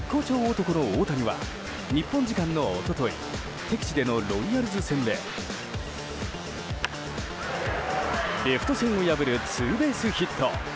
男の大谷は日本時間の一昨日敵地でのロイヤルズ戦でレフト線を破るツーベースヒット。